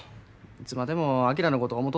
いつまでも昭のこと思